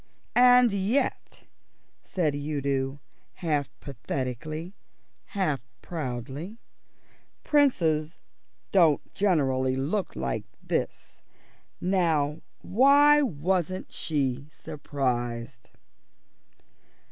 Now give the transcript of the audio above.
"And yet," said Udo half pathetically, half proudly, "Princes don't generally look like this. Now, why wasn't she surprised?"